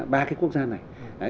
ba cái quốc gia này